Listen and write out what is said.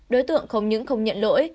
đối tượng không những không nhận lỗi